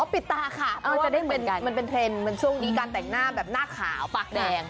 ปิดตาค่ะมันจะได้มันเป็นเทรนด์มันช่วงนี้การแต่งหน้าแบบหน้าขาวปากแดง